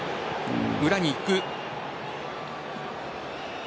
裏に行く。